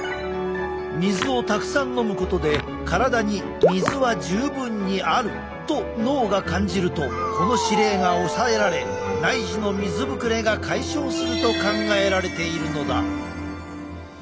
水をたくさん飲むことで体に水は十分にあると脳が感じるとこの指令が抑えられ内耳の水ぶくれが解消すると考えられているのだ。